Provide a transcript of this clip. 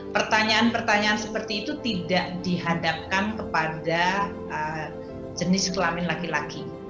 pertanyaan pertanyaan seperti itu tidak dihadapkan kepada jenis kelamin laki laki